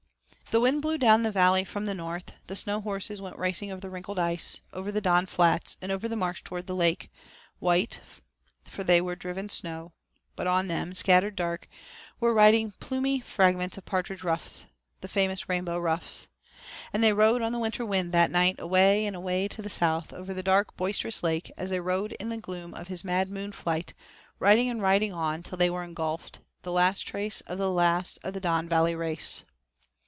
The wind blew down the valley from the north. The snow horses went racing over the wrinkled ice, over the Don Flats, and over the marsh toward the lake, white, for they were driven snow, but on them, scattered dark, were riding plumy fragments of partridge ruffs the famous rainbow ruffs. And they rode on the winter wind that night, away and away to the south, over the dark and boisterous lake, as they rode in the gloom of his Mad Moon flight, riding and riding on till they were engulfed, the last trace of the last of the Don Valley race.